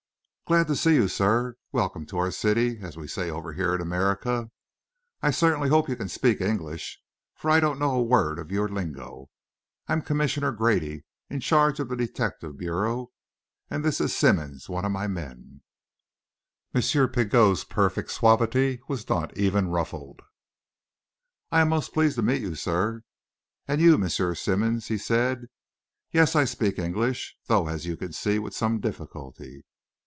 "Glad to see you, sir. Welcome to our city, as we say over here in America. I certainly hope you can speak English, for I don't know a word of your lingo. I'm Commissioner Grady, in charge of the detective bureau; and this is Simmonds, one of my men." M. Pigot's perfect suavity was not even ruffled. "I am most pleased to meet you, sir; and you Monsieur Simmòn," he said. "Yes I speak English though, as you see, with some difficulty."